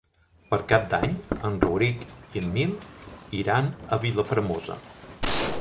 Per Cap d'Any en Rauric i en Nil iran a Vilafermosa.